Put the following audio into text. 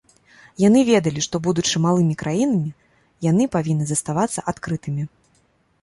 Яны ведалі, што, будучы малымі краінамі, яны павінны заставацца адкрытымі.